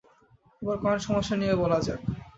এবার কয়েন সমস্যা নিয়ে বলা যাক।